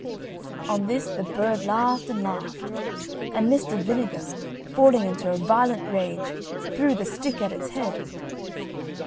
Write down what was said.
On this the bird laughed and laughed, and Mr. Vinegar, falling into a violent rage, threw the stick at its head.